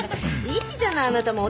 いいじゃないあなたも。